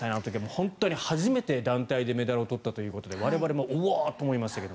本当に初めて団体でメダルを取ったということで我々もおおっ！と思いましたけど。